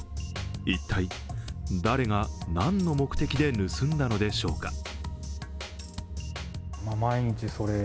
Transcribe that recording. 一体、誰が何の目的で盗んだのでしょうか。